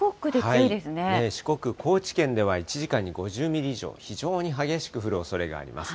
四国・高知県では１時間に５０ミリ以上、非常に激しく降るおそれがあります。